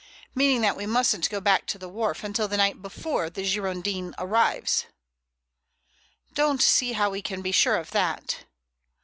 "Meaning that we mustn't go back to the wharf until the night before the Girondin arrives." "Don't see how we can be sure of that."